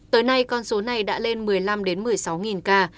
tới nay con số này đã lên một mươi năm một mươi sáu ca